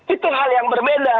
itu hal yang berbeda